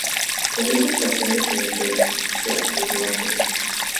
Realiza Estación de Penitencia los Martes Santos.